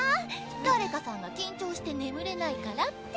誰かさんが緊張して眠れないからって。